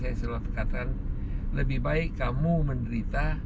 saya selalu katakan lebih baik kamu menderita